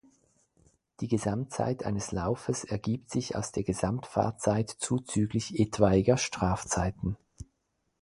Die Gesamtzeit eines Laufes ergibt sich aus der Gesamtfahrzeit zuzüglich etwaiger Strafzeiten.